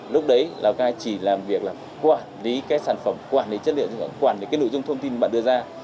lúc đấy lào cai chỉ làm việc là quản lý cái sản phẩm quản lý chất liệu quản lý cái nội dung thông tin bạn đưa ra